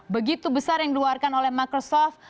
begitu besar yang diluarkan oleh microsoft